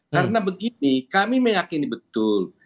karena begini kami meyakini betul